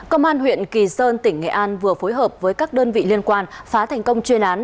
công an huyện kỳ sơn tỉnh nghệ an vừa phối hợp với các đơn vị liên quan phá thành công chuyên án